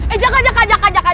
eh jaka jaka jangan jaka